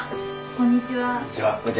こんにちは。